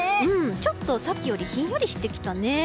ちょっとさっきよりひんやりしてきたね。